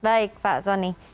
baik pak soni